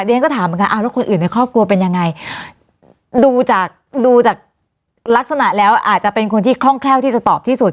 ฉันก็ถามเหมือนกันอ้าวแล้วคนอื่นในครอบครัวเป็นยังไงดูจากดูจากลักษณะแล้วอาจจะเป็นคนที่คล่องแคล่วที่จะตอบที่สุด